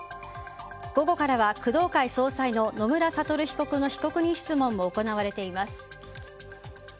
午後からは工藤会総裁の野村悟被告の被告人質問も行われています。